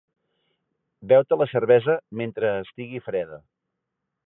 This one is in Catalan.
Beu-te la cervesa mentre estigui freda.